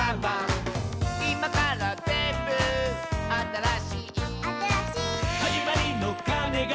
「いまからぜんぶあたらしい」「あたらしい」「はじまりのかねが」